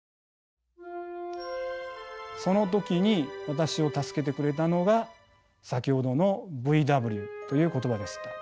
その時に私を助けてくれたのが先ほどのＶＷという言葉でした。